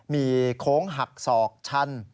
มีโค้งหักศอกชัน